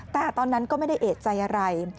แต่ตอนนั้นก็ไม่ได้เอกใจอะไร